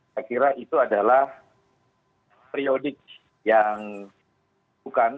saya kira itu adalah periodik yang bukan